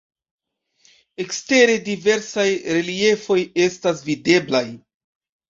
Ekstere diversaj reliefoj estas videblaj.